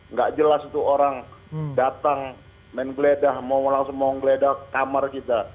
nggak jelas itu orang datang main geledah mau langsung mau geledah kamar kita